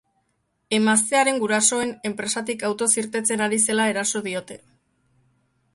Emaztearen gurasoen enpresatik autoz irtetzen ari zela eraso diote.